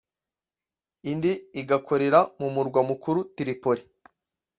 indi igakorera mu murwa mukuru Tripoli